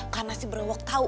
karena berjalan jalan tahu